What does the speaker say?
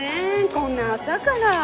こんな朝から。